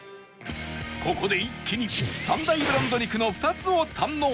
ここで一気に３大ブランド肉の２つを堪能